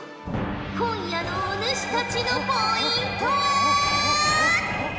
今夜のお主たちのポイントは。